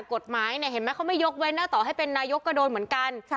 กฎหมายเนี่ยเห็นไหมเขาไม่ยกเว้นนะต่อให้เป็นนายกก็โดนเหมือนกัน